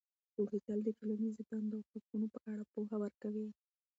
پوهېدل د ټولنیزې دندو او حقونو په اړه پوهه ورکوي.